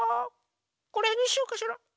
これにしようかしら？